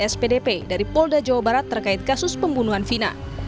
spdp dari polda jawa barat terkait kasus pembunuhan vina